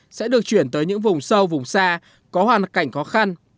bánh xà phòng đã được chuyển tới những vùng sâu vùng xa có hoàn cảnh khó khăn